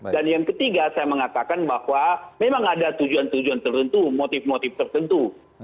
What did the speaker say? dan yang ketiga saya mengatakan bahwa memang ada tujuan tujuan tertentu motif motif tertentu